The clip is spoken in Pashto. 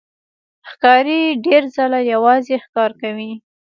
ښکاري ډېر ځله یوازې ښکار کوي.